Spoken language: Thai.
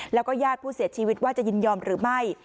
แล้วก็ญาติผู้เสียชีวิตว่าจะยินยอมหรือไม่